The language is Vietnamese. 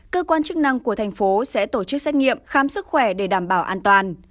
cơ quan chức năng của thành phố sẽ tổ chức xét nghiệm khám sức khỏe để đảm bảo an toàn